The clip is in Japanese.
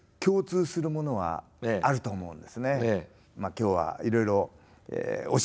今日はいろいろ教えてください。